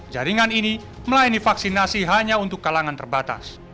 jaringan ini melayani vaksinasi hanya untuk kalangan terbatas